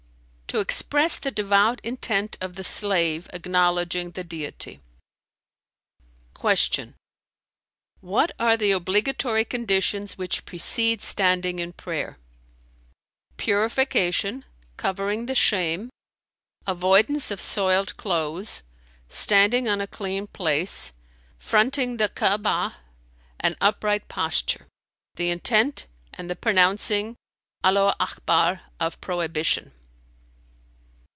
"To express the devout intent of the slave acknowledging the Deity." Q "What are the obligatory conditions which precede standing in prayer?" "Purification, covering the shame, avoidance of soiled clothes, standing on a clean place, fronting the Ka'abah, an upright posture, the intent[FN#300] and the pronouncing 'Allaho Akbar' of prohibition."